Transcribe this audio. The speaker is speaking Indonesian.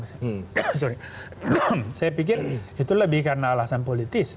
saya pikir itu lebih karena alasan politis